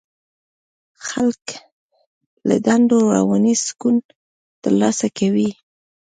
خلک له دندو رواني سکون ترلاسه کوي.